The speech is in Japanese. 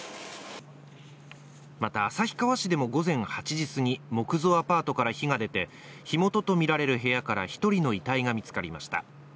また、旭川市でも午前８時すぎ、木造アパートから火が出て火元とみられる部屋から１人の遺体が見つかりました。